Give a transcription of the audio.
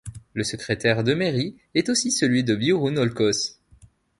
Le secrétaire de mairie est aussi celui de Biurrun-Olcoz.